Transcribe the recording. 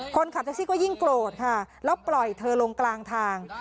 คนขับแท็กซี่ก็ยิ่งโกรธค่ะแล้วปล่อยเธอลงกลางทาง